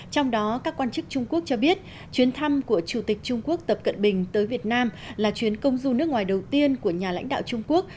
trong đó các quan chức trung quốc cho biết chuyến thăm của chủ tịch trung quốc tập cận bình tới việt nam là chuyến công du nước ngoài đầu tiên của nhà lãnh đạo trung quốc